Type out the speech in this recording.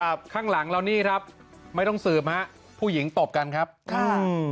ข้างหลังเรานี่ครับไม่ต้องสืบฮะผู้หญิงตบกันครับค่ะอืม